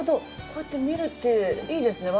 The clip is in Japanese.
こうやって見るっていいですね。